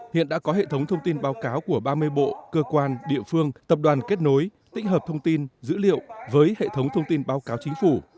hiện đã có hệ thống thông tin báo cáo của ba mươi bộ cơ quan địa phương tập đoàn kết nối tích hợp thông tin dữ liệu với hệ thống thông tin báo cáo chính phủ